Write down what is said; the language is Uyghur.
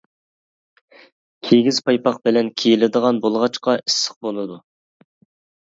كىگىز پايپاق بىلەن كىيىلىدىغان بولغاچقا ئىسسىق بولىدۇ.